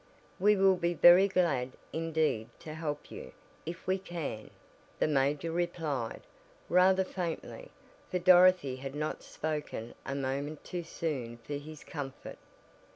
"We will be very glad, indeed, to help you, if we can," the major replied, rather faintly, for Dorothy had not spoken a moment too soon for his comfort.